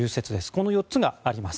この４つがあります。